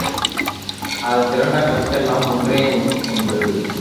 அதன் திரண்ட கருத்தெல்லாம் ஒன்றே ஒன்று.